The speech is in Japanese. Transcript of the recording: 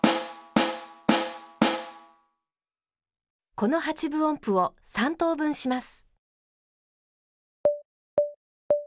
この８分音符を３等分します。